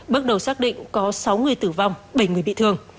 bước đầu xác định có sáu người tử vong bảy người bị thương